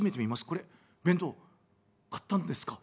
これ弁当買ったんですか？」。